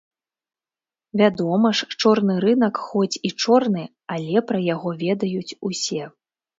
Вядома ж, чорны рынак хоць і чорны, але пра яго ведаюць усе.